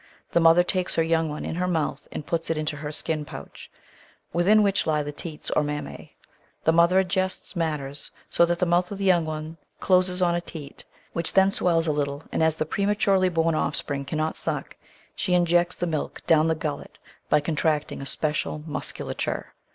The mother takes her young one in her mouth, and puts it into her skin pouch, within which lie the teats or mammae. The mother adjusts matters so that the mouth of the young one closes on a teat, which then swells a little, and, as the prematurely born o£f spring cannot suck, she injects the milk down the gullet by contracting a special musculature.